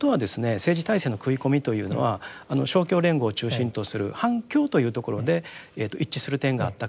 政治体制の食い込みというのは勝共連合を中心とする反共というところで一致する点があったからですよね。